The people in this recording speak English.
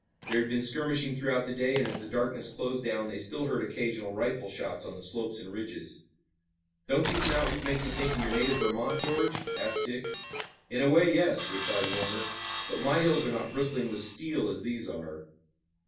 There had been skirmishing throughout the day, and as the darkness closed down they still heard occasional rifle shots on the slopes and ridges. "Don't these mountains make you think of your native Vermont, George?" asked Dick. "In a way, yes," replied Warner, "but my hills are not bristling with steel as these are."